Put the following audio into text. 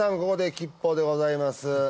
ここで吉報でございます